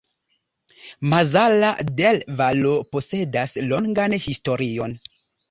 Mazara del Vallo posedas longan historion.